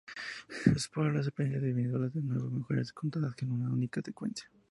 Explora las experiencias individuales de nueve mujeres contadas en una única secuencia.